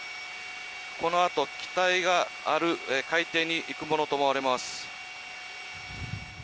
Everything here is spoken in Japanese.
このあと機体がある海底に行くものと思われます。